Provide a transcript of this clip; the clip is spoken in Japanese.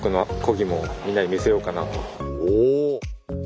お。